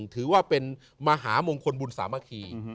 ถือว่าเป็นมหามงคลบุญสามัคคี